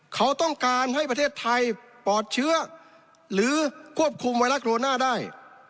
เขาต้องการให้ประเทศไทยปลอดเชื้อหรือควบคุมไวรัสโรนาได้